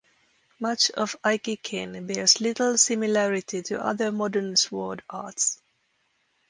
Much of aiki-ken bears little similarity to other modern sword arts.